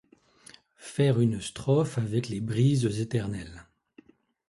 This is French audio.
Faire une strophe avec les brises éternelles